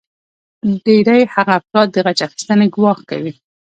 ډیری هغه افراد د غچ اخیستنې ګواښ کوي